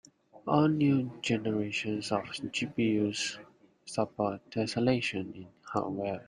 All new generations of GPUs support tesselation in hardware.